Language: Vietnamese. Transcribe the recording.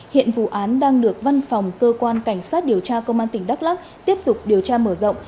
hiện vụ án đang được văn phòng cơ quan cảnh sát điều tra công an tỉnh đắk lắc tiếp tục điều tra mở rộng